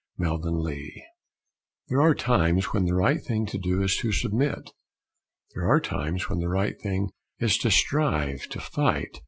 SUBMISSION There are times when the right thing to do is to submit. There are times when the right thing is to strive, to fight.